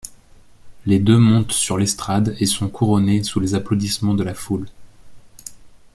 Les deux montent sur l'estrade et sont couronnés sous les applaudissements de la foule.